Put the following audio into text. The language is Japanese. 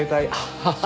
ハハハハ！